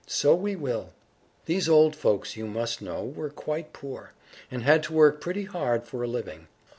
"So we will!" These old folks, you must know, were quite poor, and had to work pretty hard for a living.